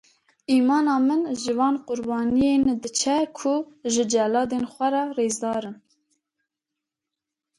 Îmana min ji wan qurbaniyan diçe ku ji celadên xwe re rêzdar in.